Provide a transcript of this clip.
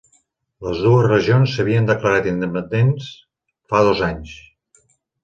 Les dues regions s'havien declarat independents fa dos anys